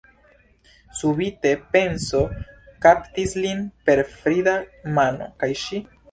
Subite penso kaptis lin per frida mano: kaj ŝi?